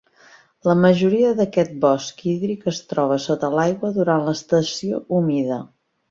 La majoria d'aquest bosc hídric es troba sota l'aigua durant l'estació humida.